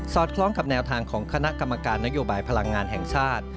คล้องกับแนวทางของคณะกรรมการนโยบายพลังงานแห่งชาติ